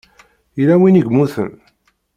Yella win i yemmuten?